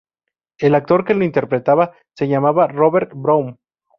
El actor que lo interpretaba se llama Robert Brown.